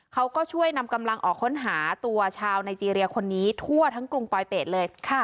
เขาก็ช่วยนำกำลังออกค้นหาตัวชาวไนเจรียคนนี้ทั่วทั้งกรุงปลอยเป็ดเลย